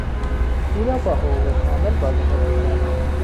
او را با حقوق کامل بازنشسته کردند.